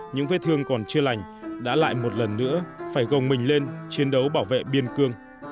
những vết thương còn chưa lành đã lại một lần nữa phải gồng mình lên chiến đấu bảo vệ biên cương